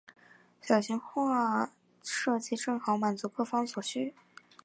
小型化设计正好满足各方所需。